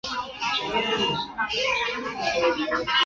有关部门正在对此进行调查。